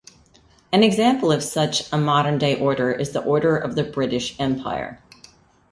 An example of such a modern-day order is the Order of the British Empire.